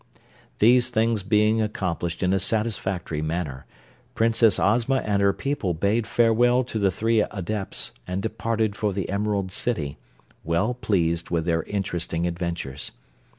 These things being accomplished in a satisfactory manner, Princess Ozma and her people bade farewell to the three Adepts and departed for the Emerald City, well pleased with their interesting adventures.